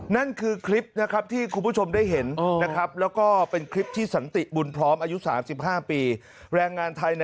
นั่นคือคลิปที่คุณผู้ชมได้เห็น